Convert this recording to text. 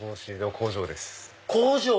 工場！